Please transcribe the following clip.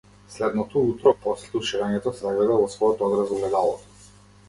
Следното утро, после туширањето, се загледа во својот одраз во огледалото.